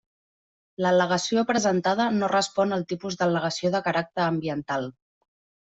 L'al·legació presentada no respon al tipus d'al·legació de caràcter ambiental.